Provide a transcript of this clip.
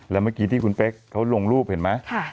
แล้วเมื่อกี้ที่คุณเป๊กเขาลงรูปเห็นไหม